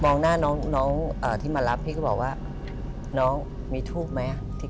หน้าน้องที่มารับพี่ก็บอกว่าน้องมีทูบไหม